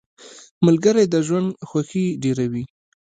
ملګری د ژوند خوښي ډېروي.